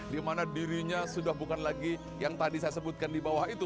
dimana dirinya sudah bukan lagi yang tadi saya sebutkan di bawah itu